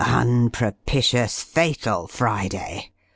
Unpropitious, fatal, Friday!